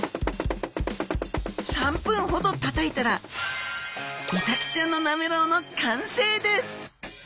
３分ほど叩いたらイサキちゃんのなめろうの完成です！